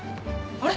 あれ？